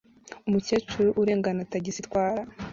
Umukecuru urengana tagisi itwara